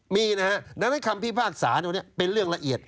มีนะฮะดังนั้นคำพิพากษาตรงนี้เป็นเรื่องละเอียด